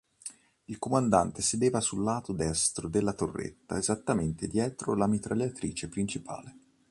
Il comandante sedeva sul lato destro della torretta, esattamente dietro la mitragliatrice principale.